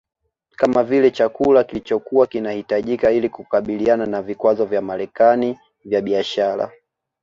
kama vile chakula kilichokua kinahitajika ili kukabiliana na vikwazo vya Marekani vya biashara